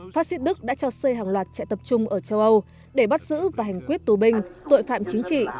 phát xít đức đã cho xây hàng loạt trại tập trung ở châu âu để bắt giữ và hành quyết tù binh tội phạm chính trị